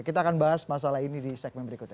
kita akan bahas masalah ini di segmen berikutnya